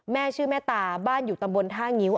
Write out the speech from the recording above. แม่ชื่อแม่ตาบ้านอยู่ตำบลท่างิ้ว